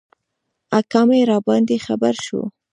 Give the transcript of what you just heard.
اکا مي راباندي خبر شو .